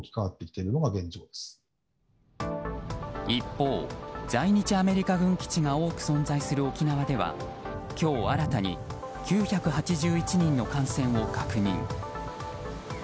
一方、在日アメリカ軍基地が多く存在する沖縄では今日新たに９８１人の感染を確認。